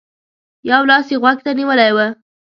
يو لاس يې غوږ ته نيولی و.